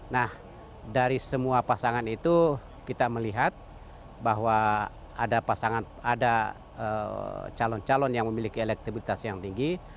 nah dari semua pasangan itu kita melihat bahwa ada pasangan ada calon calon yang memiliki elektabilitas yang tinggi